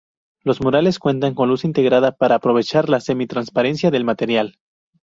Los murales cuentan con luz integrada para aprovechar la semi transparencia del material.